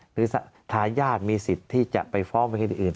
หรือถ้าทหญาติมีสิทธิที่จะไปฟ้องไปคิดอื่น